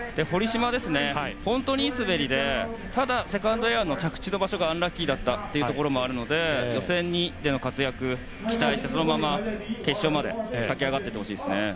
堀島も本当にいい滑りでただ、セカンドエアの着地の場所がアンラッキーだったというところもありますので予選２での活躍を期待して、そのまま決勝まで駆け上がってほしいですね。